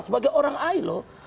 sebagai orang ilo